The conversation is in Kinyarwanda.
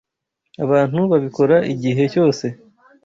Abantu babikora igihe cyose.